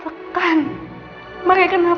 mereka kenapa aku melakukan cara seperti ini